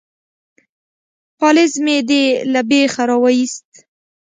_پالېز مې دې له بېخه را وايست.